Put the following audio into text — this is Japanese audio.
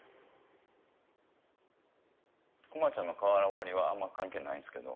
クマちゃんの瓦割りはあんま関係ないんですけど。